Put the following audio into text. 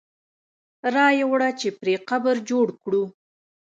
را یې وړه چې پرې قبر جوړ کړو.